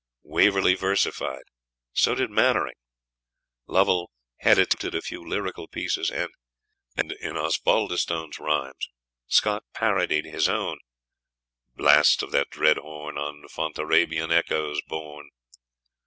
Waverley versified; so did Mannering; Lovel "had attempted a few lyrical pieces;" and, in Osbaldistone's rhymes, Scott parodied his own blast of that dread horn On Fontarabian echoes borne.